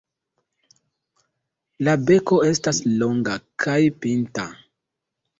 La beko estas longa kaj pinta.